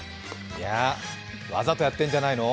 わざとやってるんじゃないの？